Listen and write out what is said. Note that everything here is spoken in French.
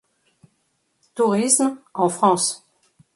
Tourisme, en France.